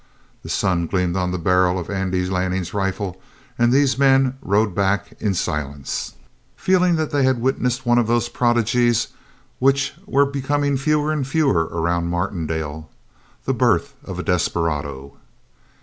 The sun gleamed on the barrel of Andy Lanning's rifle, and these men rode back in silence, feeling that they had witnessed one of those prodigies which were becoming fewer and fewer around Martindale the birth of a desperado.